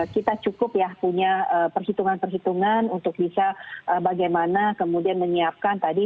kita cukup ya punya perhitungan perhitungan untuk bisa bagaimana kemudian menyiapkan tadi